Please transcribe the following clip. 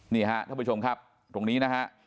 นี่ครับท่านผู้ชมครับตรงนี้นะครับ